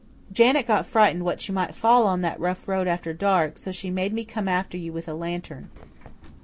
"Janet got frightened that you might fall on that rough road after dark, so she made me come after you with a lantern.